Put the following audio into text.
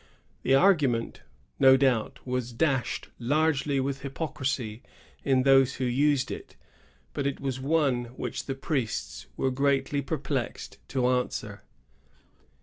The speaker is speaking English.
^ The argument, no doubt, was dashed largely with hypocrisy in those who used it; but it was one which the priests were greatly per plexed to answer.